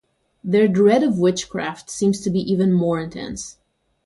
Their dread of witchcraft seems to be even more intense.